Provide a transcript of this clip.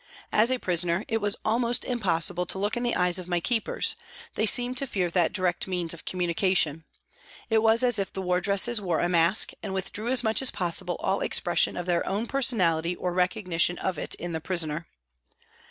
As a prisoner, it was almost impossible to look in the eyes of my keepers, they seemed to fear that direct means of communication ; it was as if the ward resses wore a mask, and withdrew as much as possible all expression of their own personality or recognition of it in the prisoner.